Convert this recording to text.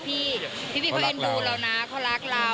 พี่พี่เขาเอ็นดูเรานะเขารักเรา